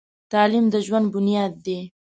تعلیم د ژوند بنیاد دی.